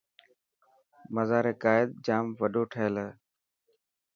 مزار قائد جام وڏو ٺهيل هي.